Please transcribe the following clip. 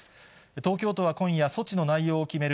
東京都は今夜、措置の内容を決める